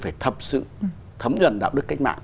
phải thập sự thấm nhuận đạo đức cách mạng